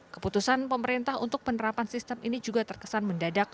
keputusan pemerintah untuk penerapan sistem ini juga terkesan mendadak